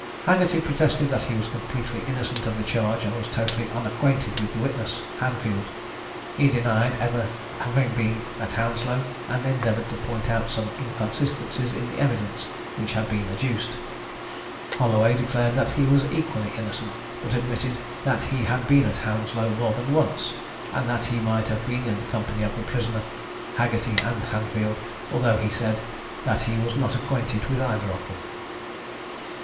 Haggerty protested that he was completely innocent of the charge, and was totally unacquainted with the witness, Hanfield. He denied ever having been at Hounslow, and endeavoured to point out some inconsistencies in the evidence which had been adduced. Holloway declared that he was equally innocent; but admitted that he had been at Hounslow more than once; and that he might have been in the company of the prisoner Haggerty and Hanfield, although he said that he was not acquainted with either of them.